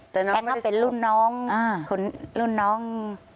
แต่เขาเป็นรุ่นน้อง